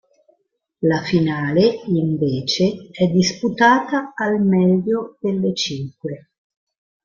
La finale, invece, è disputata al meglio delle cinque.